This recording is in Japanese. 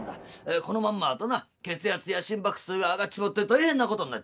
このまんまだとな血圧や心拍数が上がっちまって大変なことになっちまう。